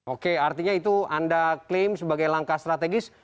oke artinya itu anda klaim sebagai langkah strategis